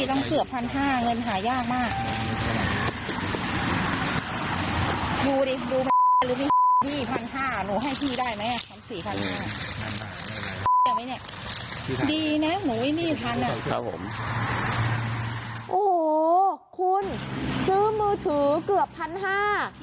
โอ้โหคุณซื้อมือถือเกือบพันห้า